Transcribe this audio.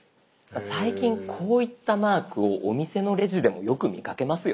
最近こういったマークをお店のレジでもよく見かけますよね？